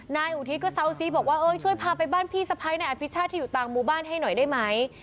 นายอุทิศก็เซาซีบอกว่าช่วยพาไปบ้านพี่สะพ้ายนายอภิชาติที่อยู่ต่างหมู่บ้านให้หน่อยได้ไหม